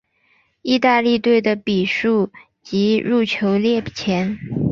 意大利队的比数及入球列前。